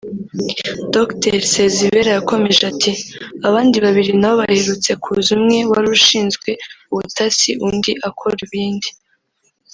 Dr Sezibera yakomeje ati “Abandi babiri nabo baherutse kuza umwe wari ushinzwe ubutasi undi akora ibindi